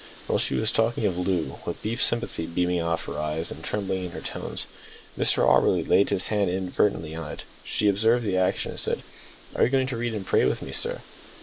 While she was talking of Loo, with deep sympathy beaming out of her eyes and trembling in her tones, Mr Auberly laid his hand inadvertently on it. She observed the action, and said "Are you going to read and pray with me, sir?"